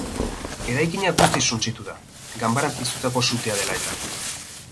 Eraikina guztiz suntsitu da, ganbaran piztutako sutea dela eta.